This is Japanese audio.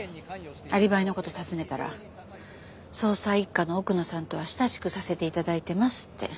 アリバイの事尋ねたら「捜査一課の奥野さんとは親しくさせて頂いてます」って。